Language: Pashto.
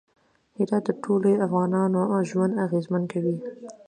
هرات د ټولو افغانانو ژوند اغېزمن کوي.